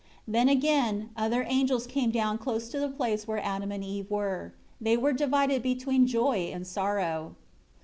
10 Then, again, other angels came down close to the place where Adam and Eve were. They were divided between joy and sorrow.